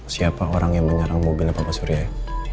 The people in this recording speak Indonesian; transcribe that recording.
siapa orang yang menyerang mobilnya papa surya ya